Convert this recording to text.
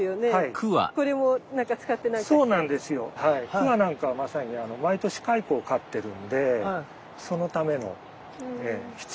クワなんかはまさに毎年蚕を飼ってるんでそのための必要な植物です。